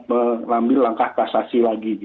melambil langkah kasasi lagi